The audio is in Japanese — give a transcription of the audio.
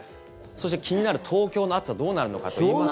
そして、気になる東京の暑さどうなるのかといいますと。